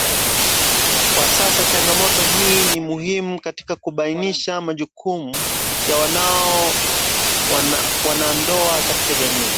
Kwa sasa changamoto hii ni muhimu katika kubainisha majukumu ya wanandoa katika jamii